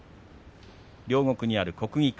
両国にある国技館。